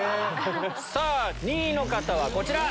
２位の方はこちら。